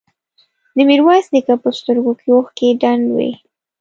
د ميرويس نيکه په سترګو کې اوښکې ډنډ وې.